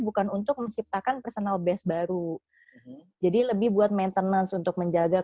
bukan untuk menciptakan personal best baru jadi lebih buat maintenance untuk menjaga